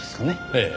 ええ。